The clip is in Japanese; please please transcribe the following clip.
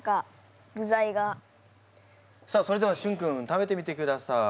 さあそれではしゅん君食べてみてください。